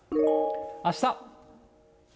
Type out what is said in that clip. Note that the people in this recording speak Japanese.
あした。